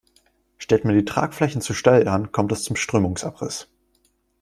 Stellt man die Tragflächen zu steil an, kommt es zum Strömungsabriss.